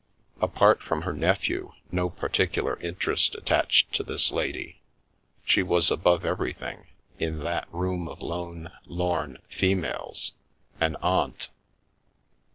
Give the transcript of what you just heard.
Apart from her nephew, no particular interest attached to this lady — she was above everything, in that room of lone, lorn females, an Aunt.